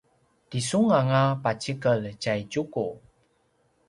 ti sun anga pacikel tjay Tjuku